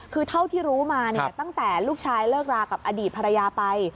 คือเท่าที่รู้มาเนี่ยตั้งแต่ลูกชายเลิกรากับอดีตภรรยาไป